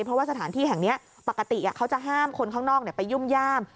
เพราะว่าสถานที่แห่งนี้ปกติเขาจะห้ามคนข้างนอกไปยุ่มย่าม